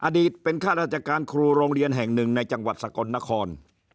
อดีตเป็นข้าราชการครูโรงเรียนแห่งหนึ่งในจังหวัดสกลนคร